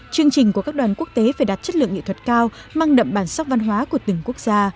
chương trình của các đoàn quốc tế phải đạt chất lượng nghệ thuật cao mang đậm bản sắc văn hóa của từng quốc gia